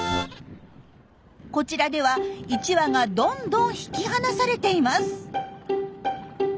こちらでは１羽がどんどん引き離されています。